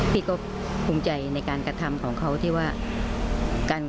พี่ก็ภูมิใจในการกระทำของเขาที่ว่ากัน